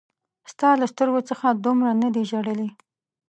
ستا له سترګو څخه دومره نه دي ژړلي